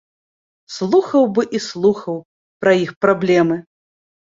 Слухаў бы і слухаў пра іх праблемы.